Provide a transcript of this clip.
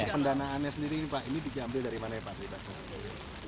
pendanaannya sendiri ini pak ini diambil dari mana fasilitasnya